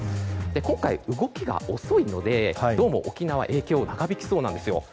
今回、動きが遅いのでどうも沖縄は影響が長引きそうです。